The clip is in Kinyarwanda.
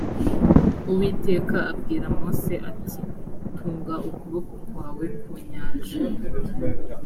uwiteka abwira mose ati tunga ukuboko kwawe ku nyanja